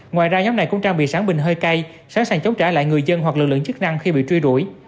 ngoài ra nhóm này cũng trang bị sáng bình hơi cay sẵn sàng chống trả lại người dân hoặc lực lượng chức năng khi bị truy đuổi